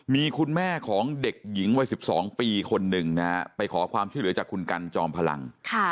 มีคุณแม่ของเด็กหญิงวัย๑๒ปีคนหนึ่งนะฮะไปขอความช่วยเหลือจากคุณกันจอมพลัง